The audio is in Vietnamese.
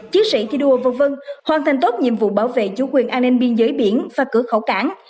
chiến sĩ thi đua v v hoàn thành tốt nhiệm vụ bảo vệ chủ quyền an ninh biên giới biển và cửa khẩu cảng